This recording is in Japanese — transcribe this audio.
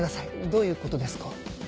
どういうことですか？